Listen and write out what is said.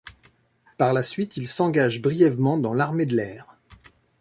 Par la suite, il s'engage brièvement dans l'Armée de l'air.